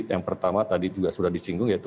yang pertama tadi juga sudah disinggung yaitu